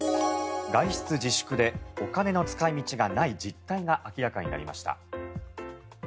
外出自粛でお金の使い道がない実態が明らかになりました。